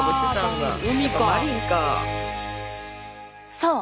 そう！